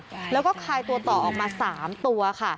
เป็นพระรูปนี้เหมือนเคี้ยวเหมือนกำลังทำปากขมิบท่องกระถาอะไรสักอย่าง